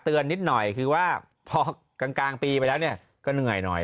นิดหน่อยคือว่าพอกลางปีไปแล้วเนี่ยก็เหนื่อยหน่อย